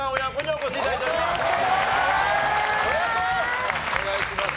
お願いします。